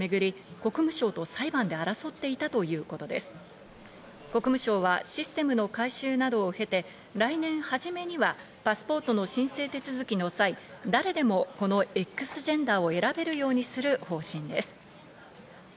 国務省はシステムの改修などを経て、来年初めにはパスポートの申請手続きの際、誰でもこのＸジェンダーを選べるようにする方針です。